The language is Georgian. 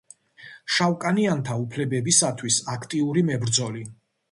შავკანიანთა უფლებებისათვის აქტიური მებრძოლი.